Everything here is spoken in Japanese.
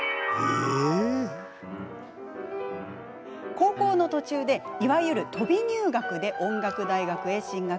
高校の途中で、いわゆる飛び入学で音楽大学へ進学。